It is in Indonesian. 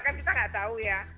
kan kita nggak tahu ya